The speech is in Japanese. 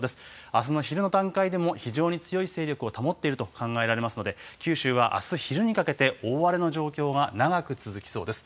あすの昼の段階でも非常に強い勢力を保っていると考えられますので、九州はあす昼にかけて、大荒れの状況が長く続きそうです。